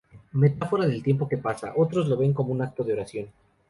Metáfora del tiempo que pasa, otros lo ven como un acto de oración.